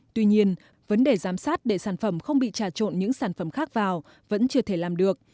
tuy nhiên vấn đề giám sát để sản phẩm không bị trà trộn những sản phẩm khác vào vẫn chưa thể làm được